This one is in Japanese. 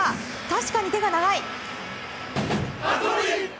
確かに手が長い！